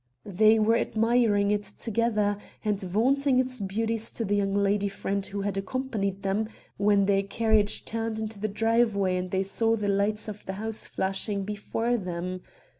"They were admiring it together and vaunting its beauties to the young lady friend who had accompanied them, when their carriage turned into the driveway and they saw the lights of the house flashing before them.